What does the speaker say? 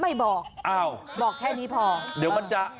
ไม่บอกอ้าวบอกแค่นี้พอเดี๋ยวมันจะ